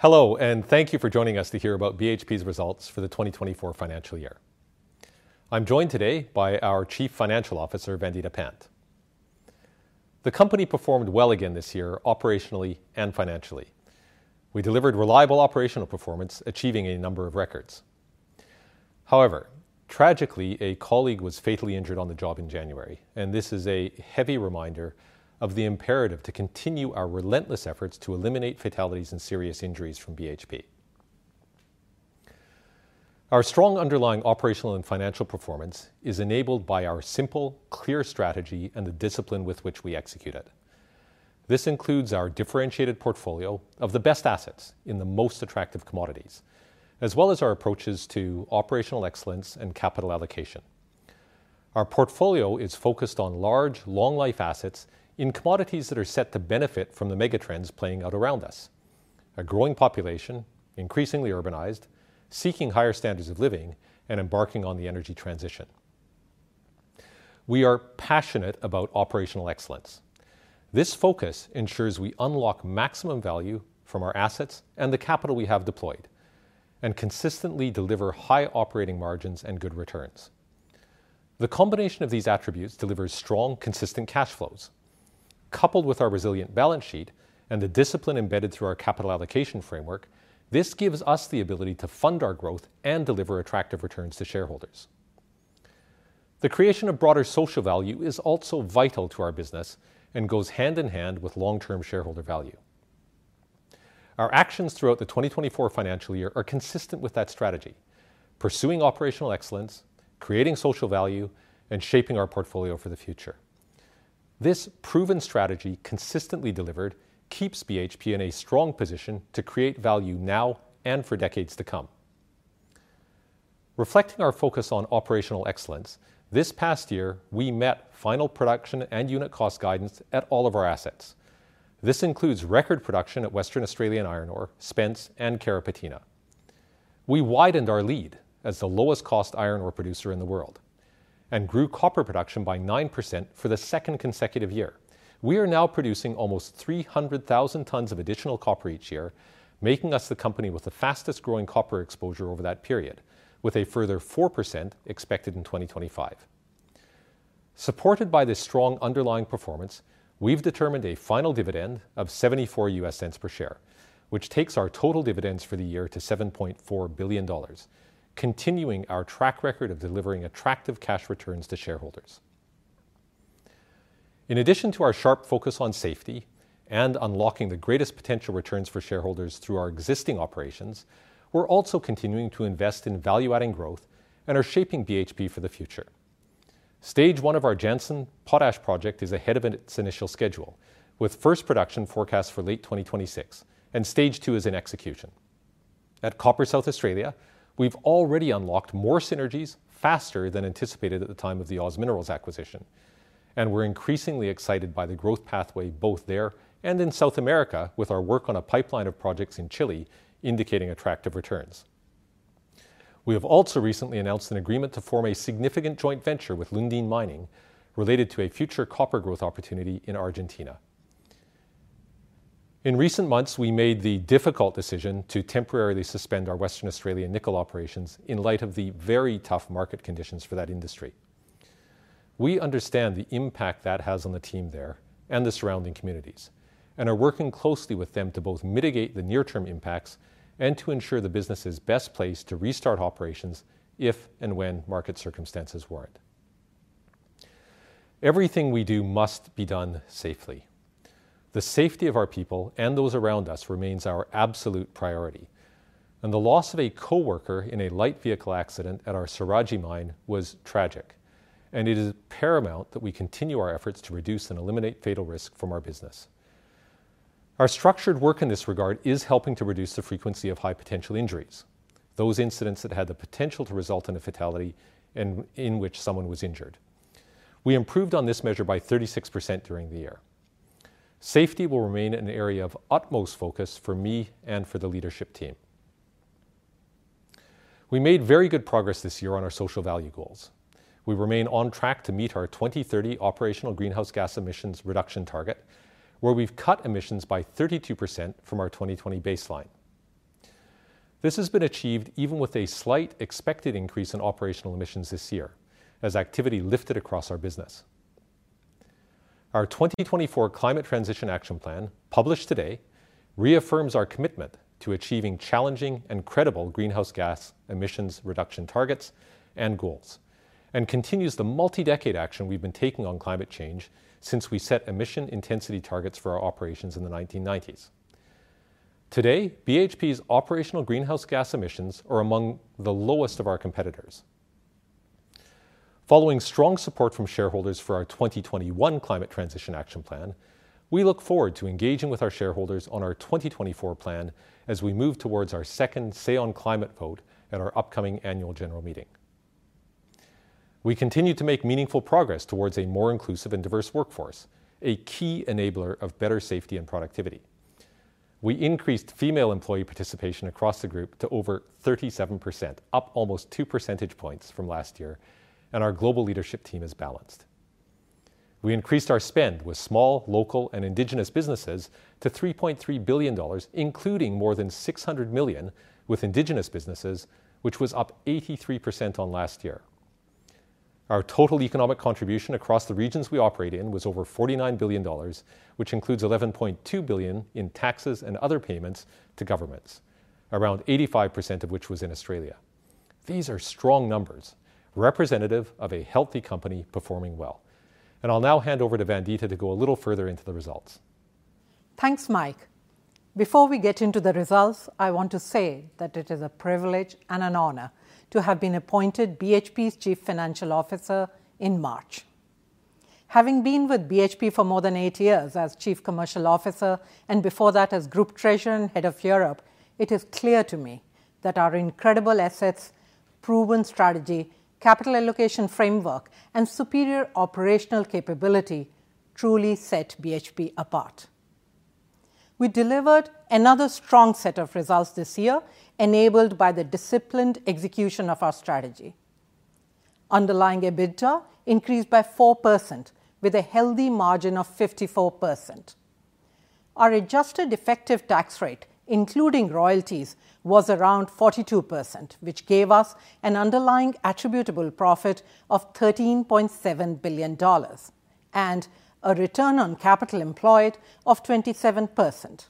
Hello, and thank you for joining us to hear about BHP's results for the 2024 financial year. I'm joined today by our Chief Financial Officer, Vandita Pant. The company performed well again this year, operationally and financially. We delivered reliable operational performance, achieving a number of records. However, tragically, a colleague was fatally injured on the job in January, and this is a heavy reminder of the imperative to continue our relentless efforts to eliminate fatalities and serious injuries from BHP. Our strong underlying operational and financial performance is enabled by our simple, clear strategy and the discipline with which we execute it. This includes our differentiated portfolio of the best assets in the most attractive commodities, as well as our approaches to operational excellence and capital allocation. Our portfolio is focused on large, long-life assets in commodities that are set to benefit from the megatrends playing out around us: a growing population, increasingly urbanized, seeking higher standards of living and embarking on the energy transition. We are passionate about operational excellence. This focus ensures we unlock maximum value from our assets and the capital we have deployed, and consistently deliver high operating margins and good returns. The combination of these attributes delivers strong, consistent cash flows. Coupled with our resilient balance sheet and the discipline embedded through our capital allocation framework, this gives us the ability to fund our growth and deliver attractive returns to shareholders. The creation of broader social value is also vital to our business and goes hand in hand with long-term shareholder value. Our actions throughout the 2024 financial year are consistent with that strategy, pursuing operational excellence, creating social value, and shaping our portfolio for the future. This proven strategy, consistently delivered, keeps BHP in a strong position to create value now and for decades to come. Reflecting our focus on operational excellence, this past year, we met final production and unit cost guidance at all of our assets. This includes record production at Western Australian Iron Ore, Spence, and Carrapateena. We widened our lead as the lowest-cost iron ore producer in the world and grew copper production by 9% for the second consecutive year. We are now producing almost 300,000 tons of additional copper each year, making us the company with the fastest-growing copper exposure over that period, with a further 4% expected in 2025. Supported by this strong underlying performance, we've determined a final dividend of $0.74 per share, which takes our total dividends for the year to $7.4 billion, continuing our track record of delivering attractive cash returns to shareholders. In addition to our sharp focus on safety and unlocking the greatest potential returns for shareholders through our existing operations, we're also continuing to invest in value-adding growth and are shaping BHP for the future. Stage one of our Jansen Potash Project is ahead of its initial schedule, with first production forecast for late 2026, and Stage two is in execution. At Copper South Australia, we've already unlocked more synergies faster than anticipated at the time of the OZ Minerals acquisition, and we're increasingly excited by the growth pathway, both there and in South America, with our work on a pipeline of projects in Chile indicating attractive returns. We have also recently announced an agreement to form a significant joint venture with Lundin Mining related to a future copper growth opportunity in Argentina. In recent months, we made the difficult decision to temporarily suspend our Western Australian nickel operations in light of the very tough market conditions for that industry. We understand the impact that has on the team there and the surrounding communities and are working closely with them to both mitigate the near-term impacts and to ensure the business is best placed to restart operations if and when market circumstances warrant. Everything we do must be done safely. The safety of our people and those around us remains our absolute priority, and the loss of a coworker in a light vehicle accident at our Saraji mine was tragic, and it is paramount that we continue our efforts to reduce and eliminate fatal risk from our business. Our structured work in this regard is helping to reduce the frequency of high-potential injuries, those incidents that had the potential to result in a fatality and in which someone was injured. We improved on this measure by 36% during the year. Safety will remain an area of utmost focus for me and for the leadership team. We made very good progress this year on our social value goals. We remain on track to meet our 2030 operational greenhouse gas emissions reduction target, where we've cut emissions by 32% from our 2020 baseline. This has been achieved even with a slight expected increase in operational emissions this year, as activity lifted across our business. Our 2024 Climate Transition Action Plan, published today, reaffirms our commitment to achieving challenging and credible greenhouse gas emissions reduction targets and goals, and continues the multi-decade action we've been taking on climate change since we set emission intensity targets for our operations in the 1990s. Today, BHP's operational greenhouse gas emissions are among the lowest of our competitors. Following strong support from shareholders for our 2021 Climate Transition Action Plan, we look forward to engaging with our shareholders on our 2024 plan as we move towards our second Say-on-Climate vote at our upcoming annual general meeting. We continue to make meaningful progress towards a more inclusive and diverse workforce, a key enabler of better safety and productivity. We increased female employee participation across the group to over 37%, up almost two percentage points from last year, and our global leadership team is balanced. We increased our spend with small, local, and Indigenous businesses to $3.3 billion, including more than $600 million with Indigenous businesses, which was up 83% on last year. Our total economic contribution across the regions we operate in was over $49 billion, which includes $11.2 billion in taxes and other payments to governments, around 85% of which was in Australia. These are strong numbers, representative of a healthy company performing well. I'll now hand over to Vandita to go a little further into the results. Thanks, Mike. Before we get into the results, I want to say that it is a privilege and an honor to have been appointed BHP's Chief Financial Officer in March. Having been with BHP for more than eight years as Chief Commercial Officer, and before that as Group Treasurer and Head of Europe, it is clear to me that our incredible assets, proven strategy, capital allocation framework, and superior operational capability truly set BHP apart. We delivered another strong set of results this year, enabled by the disciplined execution of our strategy. Underlying EBITDA increased by 4%, with a healthy margin of 54%. Our adjusted effective tax rate, including royalties, was around 42%, which gave us an underlying attributable profit of $13.7 billion, and a return on capital employed of 27%.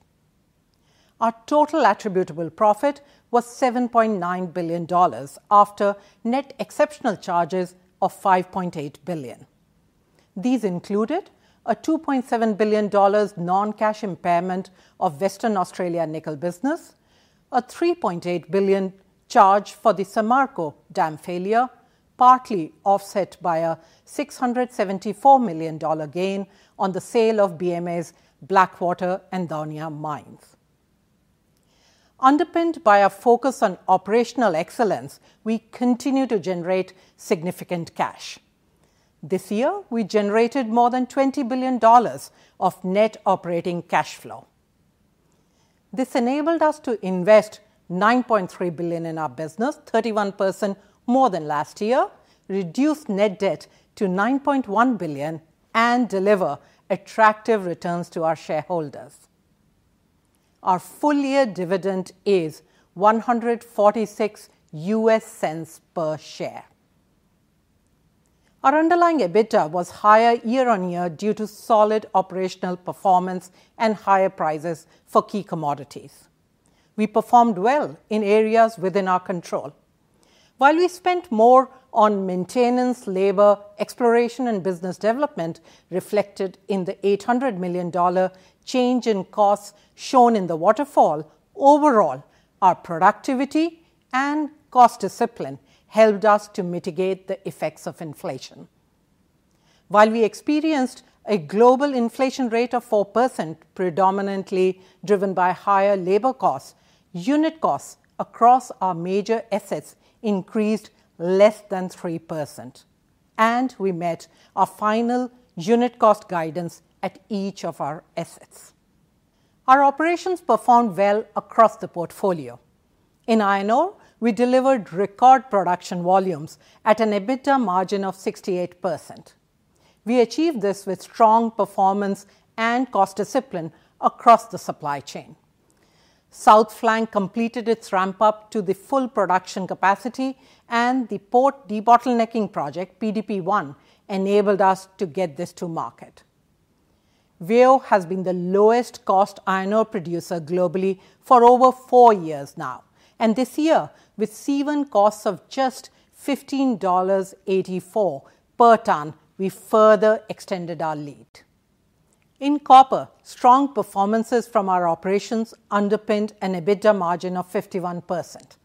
Our total attributable profit was $7.9 billion after net exceptional charges of $5.8 billion. These included a $2.7 billion non-cash impairment of Western Australia nickel business, a $3.8 billion charge for the Samarco dam failure, partly offset by a $674 million gain on the sale of BMA's Blackwater and Daunia mines. Underpinned by a focus on operational excellence, we continue to generate significant cash. This year, we generated more than $20 billion of net operating cash flow. This enabled us to invest $9.3 billion in our business, 31% more than last year, reduce net debt to $9.1 billion, and deliver attractive returns to our shareholders. Our full-year dividend is $1.46 per share. Our underlying EBITDA was higher year-on-year due to solid operational performance and higher prices for key commodities. We performed well in areas within our control. While we spent more on maintenance, labor, exploration, and business development, reflected in the $800 million change in costs shown in the waterfall, overall, our productivity and cost discipline helped us to mitigate the effects of inflation. While we experienced a global inflation rate of 4%, predominantly driven by higher labor costs, unit costs across our major assets increased less than 3%, and we met our final unit cost guidance at each of our assets. Our operations performed well across the portfolio. In iron ore, we delivered record production volumes at an EBITDA margin of 68%. We achieved this with strong performance and cost discipline across the supply chain. South Flank completed its ramp-up to the full production capacity, and the Port Debottlenecking Project, PDP1, enabled us to get this to market. WAIO has been the lowest-cost iron ore producer globally for over four years now, and this year, with C1 costs of just $15.84 per ton, we further extended our lead. In copper, strong performances from our operations underpinned an EBITDA margin of 51%.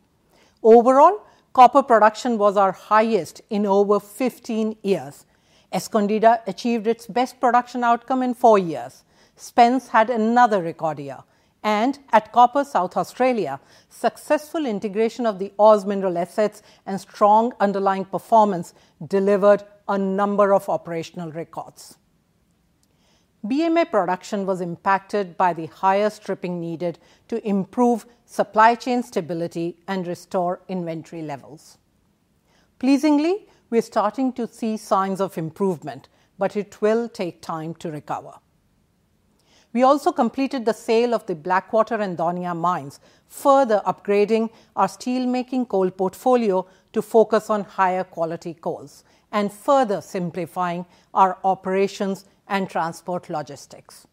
Overall, copper production was our highest in over 15 years. Escondida achieved its best production outcome in four years. Spence had another record year, and at Copper South Australia, successful integration of the OZ Minerals assets and strong underlying performance delivered a number of operational records. BMA production was impacted by the higher stripping needed to improve supply chain stability and restore inventory levels. Pleasingly, we're starting to see signs of improvement, but it will take time to recover. We also completed the sale of the Blackwater and Daunia mines, further upgrading our steelmaking coal portfolio to focus on higher-quality coals and further simplifying our operations and transport logistics.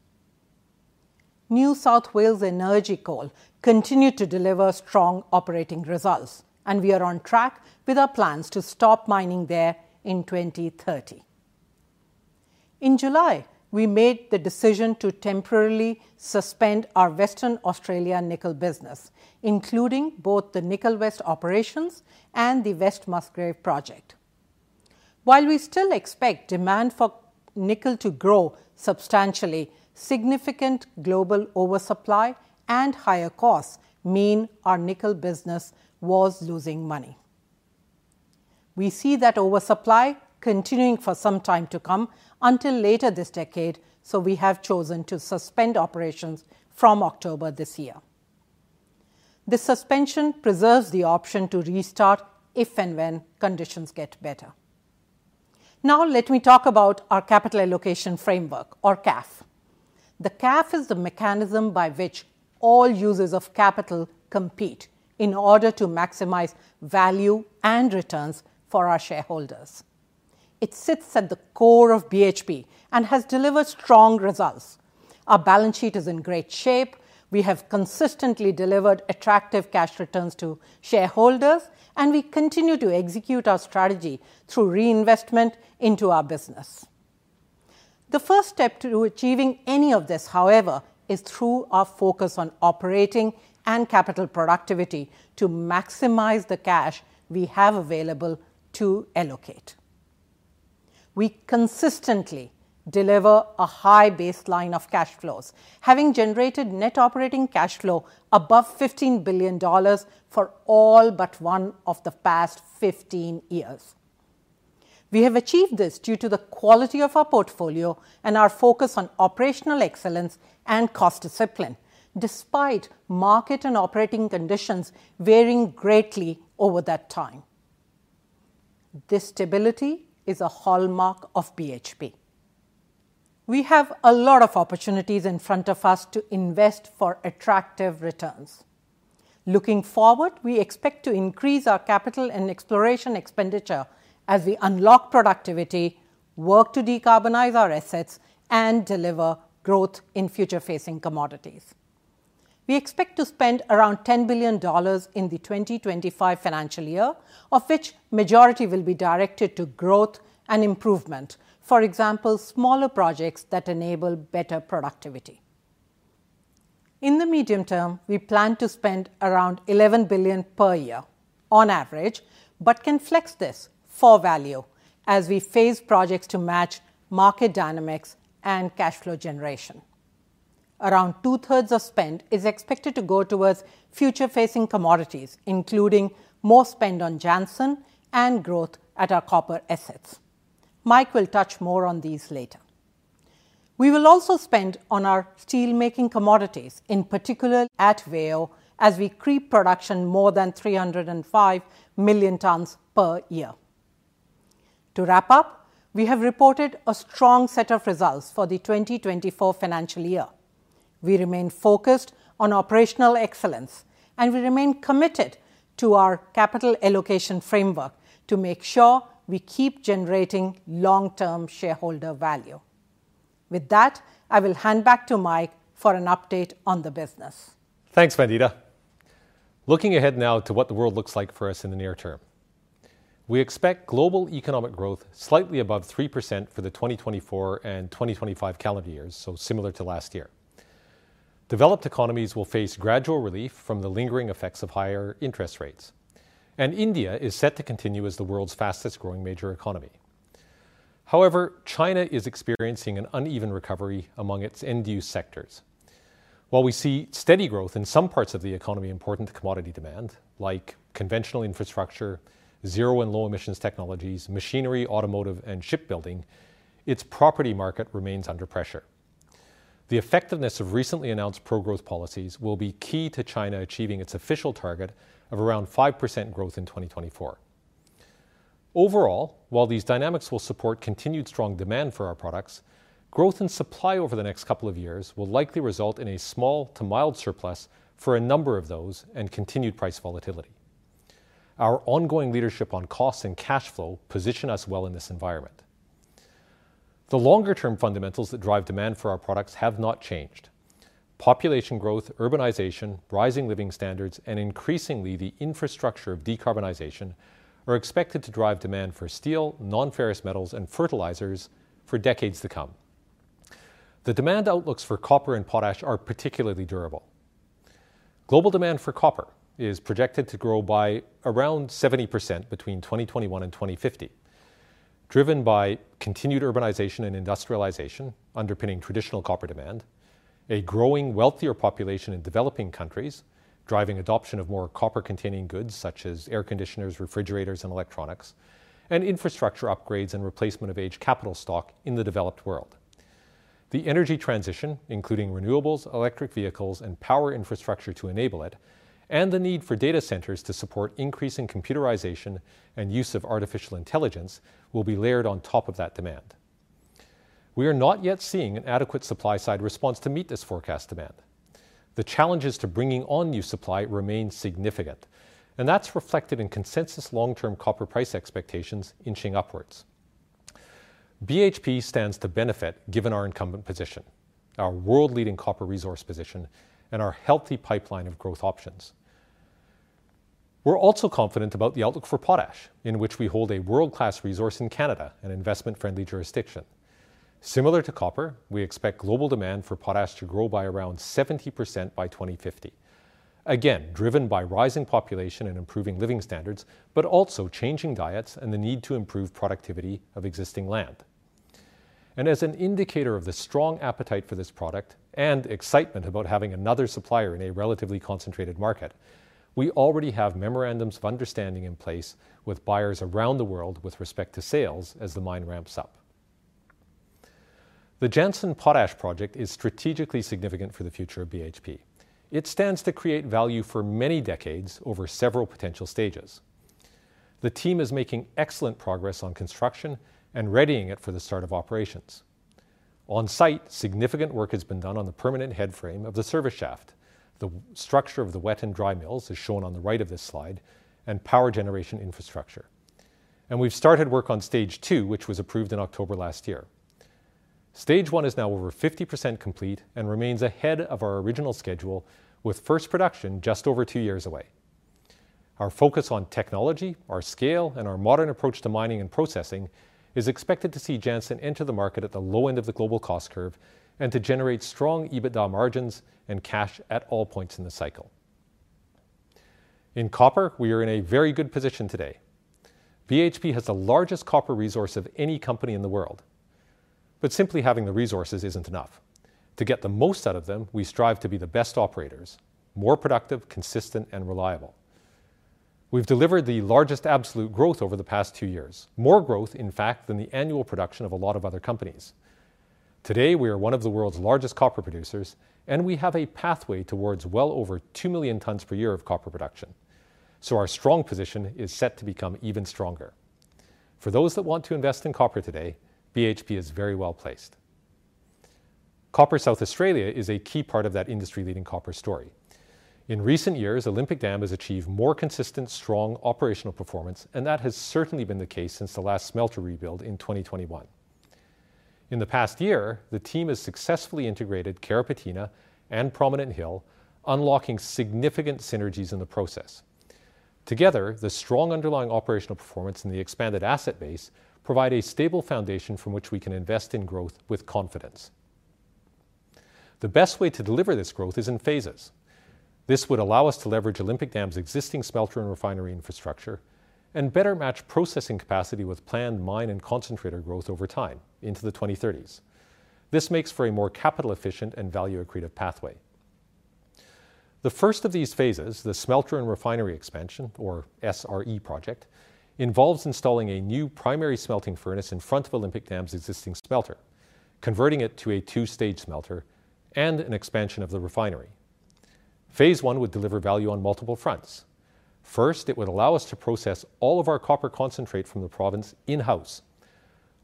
New South Wales Energy Coal continued to deliver strong operating results, and we are on track with our plans to stop mining there in 2030. In July, we made the decision to temporarily suspend our Western Australia nickel business, including both the Nickel West operations and the West Musgrave Project. While we still expect demand for nickel to grow substantially, significant global oversupply and higher costs mean our nickel business was losing money. We see that oversupply continuing for some time to come until later this decade, so we have chosen to suspend operations from October this year. This suspension preserves the option to restart if and when conditions get better. Now, let me talk about our Capital Allocation Framework, or CAF. The CAF is the mechanism by which all users of capital compete in order to maximize value and returns for our shareholders. It sits at the core of BHP and has delivered strong results. Our balance sheet is in great shape. We have consistently delivered attractive cash returns to shareholders, and we continue to execute our strategy through reinvestment into our business. The first step to achieving any of this, however, is through our focus on operating and capital productivity to maximize the cash we have available to allocate. We consistently deliver a high baseline of cash flows, having generated net operating cash flow above $15 billion for all but one of the past 15 years. We have achieved this due to the quality of our portfolio and our focus on operational excellence and cost discipline, despite market and operating conditions varying greatly over that time. This stability is a hallmark of BHP. We have a lot of opportunities in front of us to invest for attractive returns. Looking forward, we expect to increase our capital and exploration expenditure as we unlock productivity, work to decarbonize our assets, and deliver growth in future-facing commodities. We expect to spend around $10 billion in the 2025 financial year, of which majority will be directed to growth and improvement. For example, smaller projects that enable better productivity. In the medium term, we plan to spend around $11 billion per year on average, but can flex this for value as we phase projects to match market dynamics and cash flow generation. Around two-thirds of spend is expected to go towards future-facing commodities, including more spend on Jansen and growth at our copper assets. Mike will touch more on these later. We will also spend on our steelmaking commodities, in particular at WAIO, as we creep production more than 305 million tons per year. To wrap up, we have reported a strong set of results for the 2024 financial year. We remain focused on operational excellence, and we remain committed to our capital allocation framework to make sure we keep generating long-term shareholder value. With that, I will hand back to Mike for an update on the business. Thanks, Vandita. Looking ahead now to what the world looks like for us in the near term. We expect global economic growth slightly above 3% for the 2024 and 2025 calendar years, so similar to last year. Developed economies will face gradual relief from the lingering effects of higher interest rates, and India is set to continue as the world's fastest-growing major economy. However, China is experiencing an uneven recovery among its end-use sectors. While we see steady growth in some parts of the economy important to commodity demand, like conventional infrastructure, zero and low-emissions technologies, machinery, automotive, and shipbuilding, its property market remains under pressure. The effectiveness of recently announced pro-growth policies will be key to China achieving its official target of around 5% growth in 2024. Overall, while these dynamics will support continued strong demand for our products, growth in supply over the next couple of years will likely result in a small to mild surplus for a number of those and continued price volatility. Our ongoing leadership on cost and cash flow position us well in this environment. The longer-term fundamentals that drive demand for our products have not changed. Population growth, urbanization, rising living standards, and increasingly, the infrastructure of decarbonization are expected to drive demand for steel, non-ferrous metals, and fertilizers for decades to come. The demand outlooks for copper and potash are particularly durable. Global demand for copper is projected to grow by around 70% between 2021 and 2050, driven by continued urbanization and industrialization underpinning traditional copper demand, a growing, wealthier population in developing countries, driving adoption of more copper-containing goods, such as air conditioners, refrigerators, and electronics, and infrastructure upgrades and replacement of aged capital stock in the developed world. The energy transition, including renewables, electric vehicles, and power infrastructure to enable it, and the need for data centers to support increasing computerization and use of artificial intelligence, will be layered on top of that demand. We are not yet seeing an adequate supply-side response to meet this forecast demand. The challenges to bringing on new supply remain significant, and that's reflected in consensus long-term copper price expectations inching upwards. BHP stands to benefit, given our incumbent position, our world-leading copper resource position, and our healthy pipeline of growth options. We're also confident about the outlook for potash, in which we hold a world-class resource in Canada, an investment-friendly jurisdiction. Similar to copper, we expect global demand for potash to grow by around 70% by 2050, again, driven by rising population and improving living standards, but also changing diets and the need to improve productivity of existing land, and as an indicator of the strong appetite for this product and excitement about having another supplier in a relatively concentrated market, we already have memorandums of understanding in place with buyers around the world with respect to sales as the mine ramps up.... The Jansen Potash Project is strategically significant for the future of BHP. It stands to create value for many decades over several potential stages. The team is making excellent progress on construction and readying it for the start of operations. On site, significant work has been done on the permanent headframe of the service shaft, the structure of the wet and dry mills, as shown on the right of this slide, and power generation infrastructure, and we've started work on stage two, which was approved in October last year. Stage one is now over 50% complete and remains ahead of our original schedule, with first production just over two years away. Our focus on technology, our scale, and our modern approach to mining and processing is expected to see Jansen enter the market at the low end of the global cost curve and to generate strong EBITDA margins and cash at all points in the cycle. In copper, we are in a very good position today. BHP has the largest copper resource of any company in the world, but simply having the resources isn't enough. To get the most out of them, we strive to be the best operators, more productive, consistent, and reliable. We've delivered the largest absolute growth over the past two years, more growth, in fact, than the annual production of a lot of other companies. Today, we are one of the world's largest copper producers, and we have a pathway towards well over two million tons per year of copper production, so our strong position is set to become even stronger. For those that want to invest in copper today, BHP is very well-placed. Copper South Australia is a key part of that industry-leading copper story. In recent years, Olympic Dam has achieved more consistent, strong operational performance, and that has certainly been the case since the last smelter rebuild in 2021. In the past year, the team has successfully integrated Carrapateena and Prominent Hill, unlocking significant synergies in the process. Together, the strong underlying operational performance and the expanded asset base provide a stable foundation from which we can invest in growth with confidence. The best way to deliver this growth is in phases. This would allow us to leverage Olympic Dam's existing smelter and refinery infrastructure and better match processing capacity with planned mine and concentrator growth over time into the 2030s. This makes for a more capital-efficient and value-accretive pathway. The first of these phases, the Smelter and Refinery Expansion, or SRE project, involves installing a new primary smelting furnace in front of Olympic Dam's existing smelter, converting it to a two-stage smelter and an expansion of the refinery. Phase one would deliver value on multiple fronts. First, it would allow us to process all of our copper concentrate from the province in-house,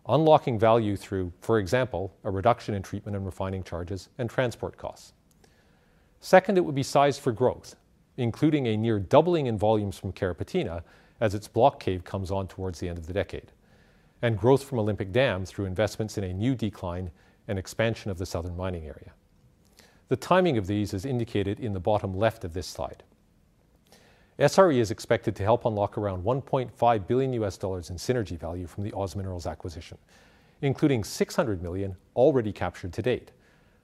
unlocking value through, for example, a reduction in treatment and refining charges and transport costs. Second, it would be sized for growth, including a near doubling in volumes from Carrapateena as its block cave comes on towards the end of the decade, and growth from Olympic Dam through investments in a new decline and expansion of the southern mining area. The timing of these is indicated in the bottom left of this slide. SRE is expected to help unlock around $1.5 billion in synergy value from the OZ Minerals acquisition, including $600 million already captured to date,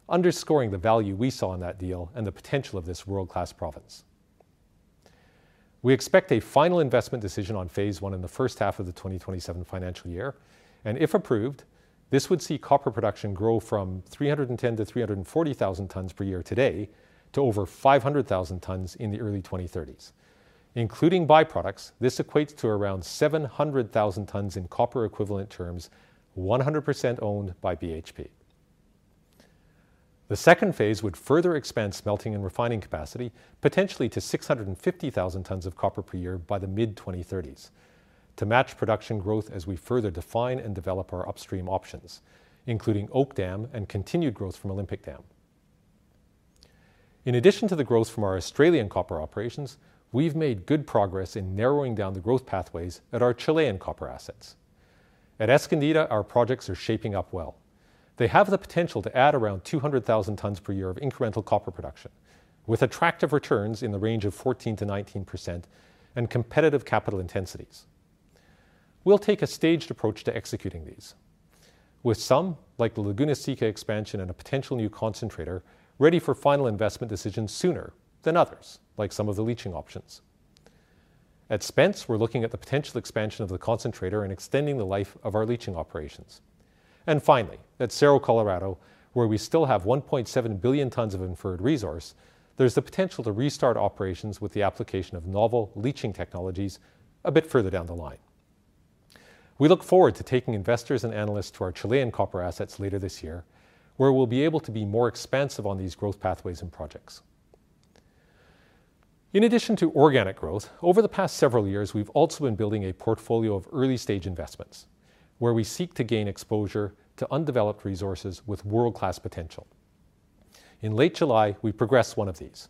underscoring the value we saw in that deal and the potential of this world-class province. We expect a final investment decision on phase one in the first half of the 2027 financial year, and if approved, this would see copper production grow from 310 to 340 thousand tons per year today to over 500 thousand tons in the early 2030s. Including byproducts, this equates to around 700 thousand tons in copper equivalent terms, 100% owned by BHP. The second phase would further expand smelting and refining capacity, potentially to 650,000 tons of copper per year by the mid-2030s, to match production growth as we further define and develop our upstream options, including Oak Dam and continued growth from Olympic Dam. In addition to the growth from our Australian copper operations, we've made good progress in narrowing down the growth pathways at our Chilean copper assets. At Escondida, our projects are shaping up well. They have the potential to add around 200,000 tons per year of incremental copper production, with attractive returns in the range of 14-19% and competitive capital intensities. We'll take a staged approach to executing these, with some, like the Laguna Seca expansion and a potential new concentrator, ready for final investment decisions sooner than others, like some of the leaching options. At Spence, we're looking at the potential expansion of the concentrator and extending the life of our leaching operations. And finally, at Cerro Colorado, where we still have 1.7 billion tons of inferred resource, there's the potential to restart operations with the application of novel leaching technologies a bit further down the line. We look forward to taking investors and analysts to our Chilean copper assets later this year, where we'll be able to be more expansive on these growth pathways and projects. In addition to organic growth, over the past several years, we've also been building a portfolio of early-stage investments, where we seek to gain exposure to undeveloped resources with world-class potential. In late July, we progressed one of these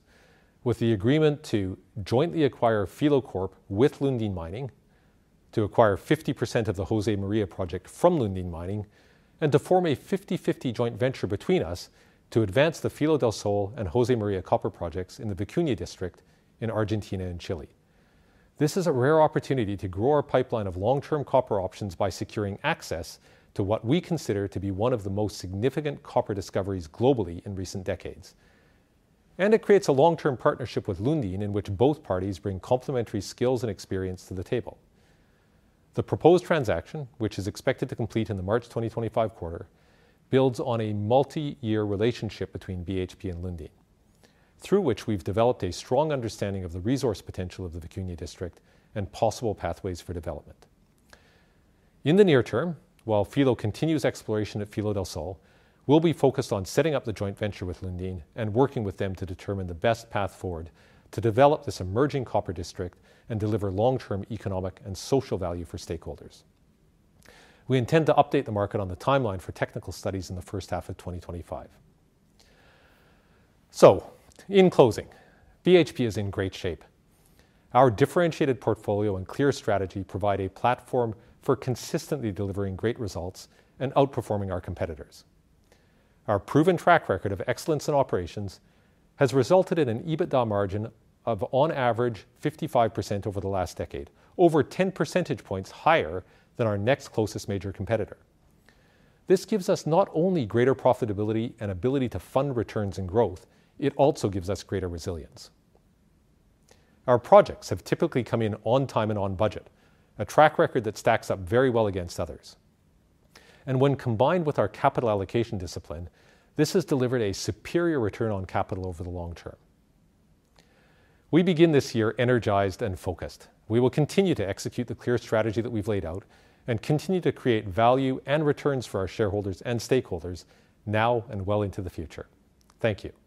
with the agreement to jointly acquire Filo Corp. with Lundin Mining, to acquire 50% of the Josemaria project from Lundin Mining, and to form a fifty-fifty joint venture between us to advance the Filo del Sol and Josemaria copper projects in the Vicuña District in Argentina and Chile. This is a rare opportunity to grow our pipeline of long-term copper options by securing access to what we consider to be one of the most significant copper discoveries globally in recent decades, and it creates a long-term partnership with Lundin, in which both parties bring complementary skills and experience to the table. The proposed transaction, which is expected to complete in the March 2025 quarter, builds on a multi-year relationship between BHP and Lundin, through which we've developed a strong understanding of the resource potential of the Vicuña District and possible pathways for development. In the near term, while Filo continues exploration at Filo del Sol, we'll be focused on setting up the joint venture with Lundin and working with them to determine the best path forward to develop this emerging copper district and deliver long-term economic and social value for stakeholders. We intend to update the market on the timeline for technical studies in the first half of 2025. So in closing, BHP is in great shape. Our differentiated portfolio and clear strategy provide a platform for consistently delivering great results and outperforming our competitors. Our proven track record of excellence in operations has resulted in an EBITDA margin of, on average, 55% over the last decade, over 10 percentage points higher than our next closest major competitor. This gives us not only greater profitability and ability to fund returns and growth, it also gives us greater resilience. Our projects have typically come in on time and on budget, a track record that stacks up very well against others, and when combined with our capital allocation discipline, this has delivered a superior return on capital over the long term. We begin this year energized and focused. We will continue to execute the clear strategy that we've laid out and continue to create value and returns for our shareholders and stakeholders now and well into the future. Thank you.